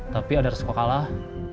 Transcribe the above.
tapi ada resiko kalah